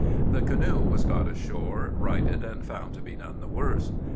The canoe was got ashore, righted, and found to be none the worse.